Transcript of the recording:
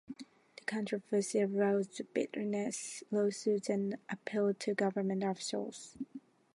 The controversy aroused bitterness, lawsuits, and appeals to government officials.